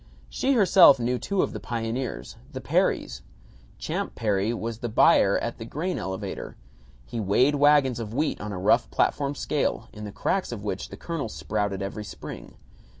She herself knew two of the pioneers: the Perrys. Champ Perry was the buyer at the grain elevator. He weighed wagons of wheat on a rough platform scale, in the cracks of which the kernels sprouted every spring.